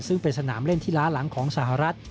ซึ่งเป็นสนามเล่นที่ล้าหลังของสหรัฐ